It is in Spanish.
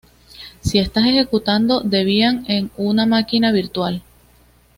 Si estás ejecutando Debian en una máquina virtual